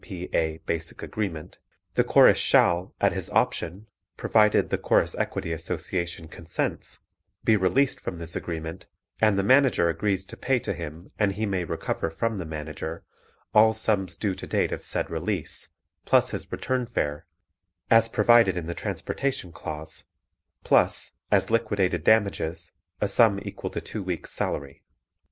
P.A. basic agreement, the Chorus shall at his option, provided the Chorus Equity Association consents, be released from this agreement and the Manager agrees to pay to him and he may recover from the Manager all sums due to date of said release, plus his return fare, as provided in the transportation clause, plus, as liquidated damages, a sum equal to two weeks' salary.